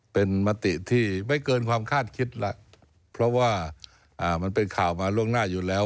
เป็นมติที่ไม่เกินความคาดคิดแล้วเพราะว่ามันเป็นข่าวมาล่วงหน้าอยู่แล้ว